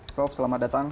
prof selamat datang